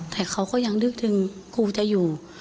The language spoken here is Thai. แต่เขาก็ยังนึกถึงครูจะอยู่